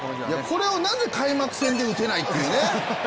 これをなぜ開幕戦で打てないっていうね。